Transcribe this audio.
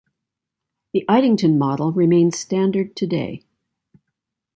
The Eitingon model remains standard today.